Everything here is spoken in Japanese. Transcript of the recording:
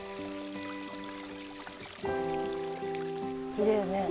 きれいねえ。